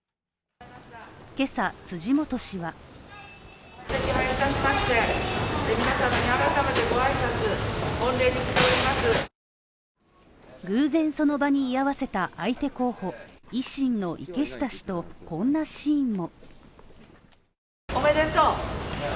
今朝、辻元氏は偶然その場に居合わせた相手候補維新の池下氏と、こんなシーンも。